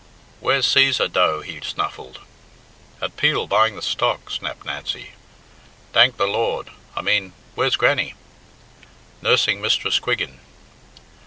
"Where's Cæsar, dough?" he snuffled. "At Peel, buying the stock," snapped Nancy. "Dank de Lord! I mean where's Grannie?" "Nursing Mistress Quiggin."